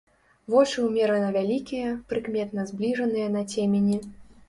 Вочы ўмерана вялікія, прыкметна збліжаныя на цемені.